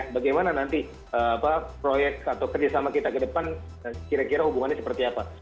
bagaimana nanti proyek atau kerjasama kita ke depan kira kira hubungannya seperti apa